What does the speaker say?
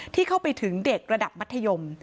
ที่เข้าไปถึงเด็กระดับมัธยม